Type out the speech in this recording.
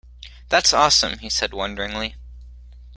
That’s awesome, he said wonderingly.